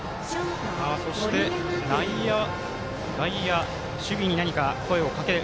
そして内野、外野、守備に何か声をかける。